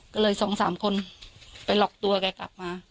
ก็เลยสองสามคนไปหลอกตัวแกกลับมา